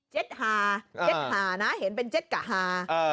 ฮาเจ็ดหานะเห็นเป็นเจ็ดกะฮา